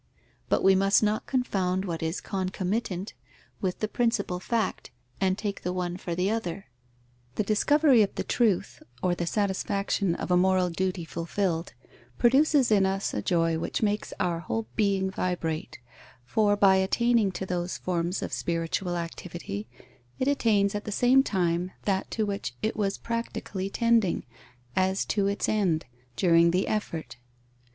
But we must not confound what is concomitant, with the principal fact, and take the one for the other. The discovery of the truth, or the satisfaction of a moral duty fulfilled, produces in us a joy which makes our whole being vibrate, for, by attaining to those forms of spiritual activity, it attains at the same time that to which it was practically tending, as to its end, during the effort.